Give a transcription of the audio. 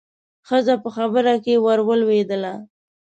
ښځه په خبره کې ورولوېدله.